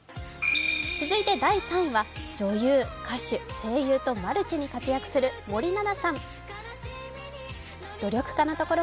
続いて第３位は女優、歌手、声優とマルチに活躍する森七菜さん。